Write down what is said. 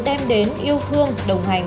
đem đến yêu thương đồng hành